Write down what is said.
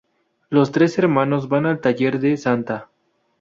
Los tres hermanos van al taller de Santa.